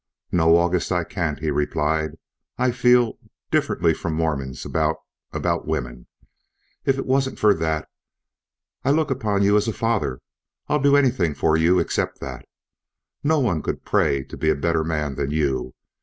"No, August, I can't," he replied. "I feel differently from Mormons about about women. If it wasn't for that! I look upon you as a father. I'll do anything for you, except that. No one could pray to be a better man than you.